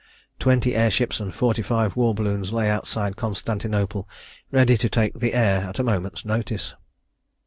Twenty air ships and forty five war balloons lay outside Constantinople, ready to take the air at a moment's notice.